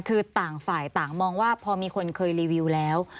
คือต่างฝ่ายต่างมองว่าพอมีคนเคยรีวิวแล้ว